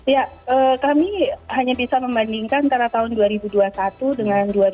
ya kami hanya bisa membandingkan antara tahun dua ribu dua puluh satu dengan dua ribu dua puluh